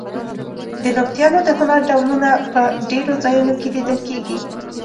د نبطیانو د هنر ډولونه په ډېرو ځایونو کې لیدل کېږي.